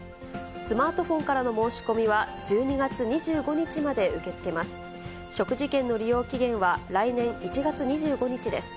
スマートフォンからの申し込みは１２月２５日まで受け付けます。